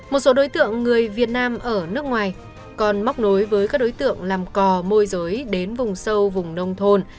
một số đối tượng người việt nam ở nước ngoài còn móc nối với các đối tượng làm cò môi giới đến vùng sâu vùng nông thôn